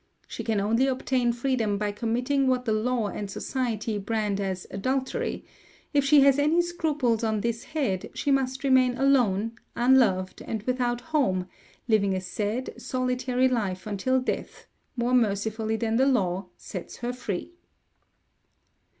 She can only obtain freedom by committing what the law and society brand as adultery; if she has any scruples on this head, she must remain alone, unloved and without home, living a sad, solitary life until death, more merciful than the law, sets her free.